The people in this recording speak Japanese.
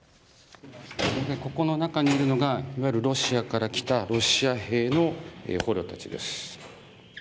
ここの中にいるのがいわゆるロシアから来たロシア兵の捕虜たちです。